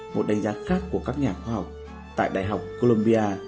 một đánh giá khác của các nhà khoa học tại đại học colombia